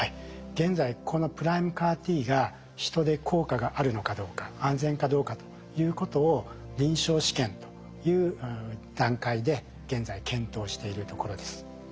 現在このＰＲＩＭＥＣＡＲ−Ｔが人で効果があるのかどうか安全かどうかということを臨床試験という段階で現在検討しているところです。